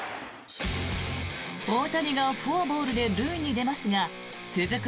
大谷がフォアボールで塁に出ますが続く